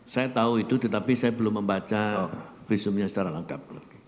saya tahu itu tetapi saya belum membaca visumnya secara lengkap